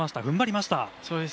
踏ん張りました。